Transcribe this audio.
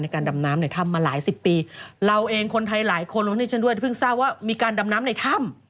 คนไทยหลายคนพึ่งทราบว่ามีการดำน้ำในถ้ำ